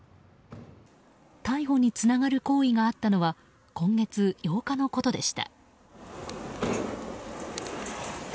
逮捕につながる行為があったのは今月８日のことでした。